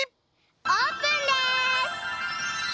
オープンです！